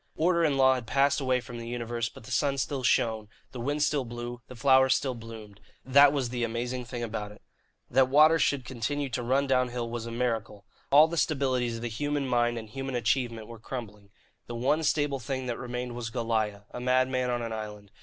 Order and law had passed away from the universe; but the sun still shone, the wind still blew, the flowers still bloomed that was the amazing thing about it. That water should continue to run downhill was a miracle. All the stabilities of the human mind and human achievement were crumbling. The one stable thing that remained was Goliah, a madman on an island.